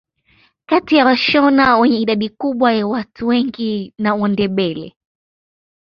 Kati ya washona wenye idadi kubwa ya watu wengi na Wandebele